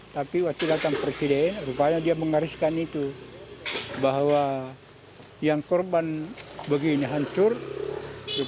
tapi waktu datang presiden rupanya dia menghariskan itu untuk kita mencari bantuan dan menghancurkan usaha keluarganya